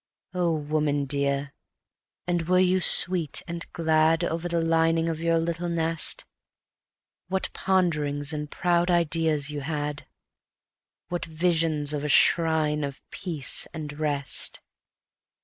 Oh, woman dear, and were you sweet and glad Over the lining of your little nest! What ponderings and proud ideas you had! What visions of a shrine of peace and rest!